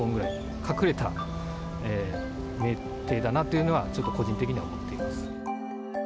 隠れた名庭だなというのは、ちょっと個人的には思っています。